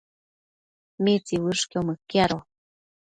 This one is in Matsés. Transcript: ¿mitsiuëshquio mëquiado?